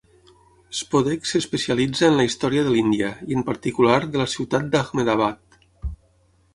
Spodek s'especialitza en la història de l'Índia, i en particular de la ciutat d'Ahmedabad.